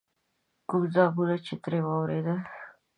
کوم ځوابونه چې یې ترې واورېدل.